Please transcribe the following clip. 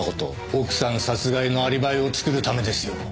奥さん殺害のアリバイを作るためですよ。